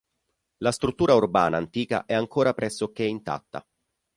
La struttura urbana antica è ancora pressoché intatta.